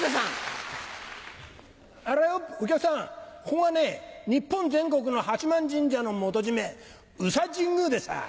ここがね日本全国の八幡神社の元締宇佐神宮でさぁ。